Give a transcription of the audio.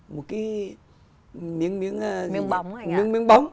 một cái miếng bóng